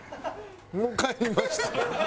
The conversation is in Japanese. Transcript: もう帰りました。